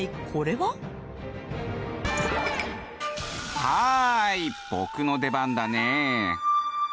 はい僕の出番だね。